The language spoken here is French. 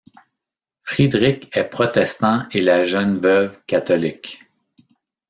Friedrich est protestant et la jeune veuve catholique.